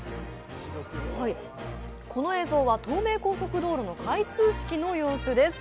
この映像は東明高速道路の開通式の様子です。